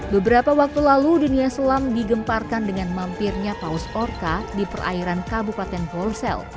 beberapa waktu lalu dunia selam digemparkan dengan mampirnya paus orka di perairan kabupaten golsel